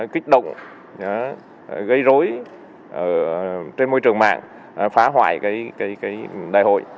kích động gây rối trên môi trường mạng phá hoại đại hội